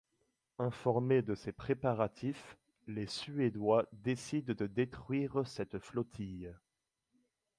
Informés de ces préparatifs, les Suédois décident de détruire cette flottille.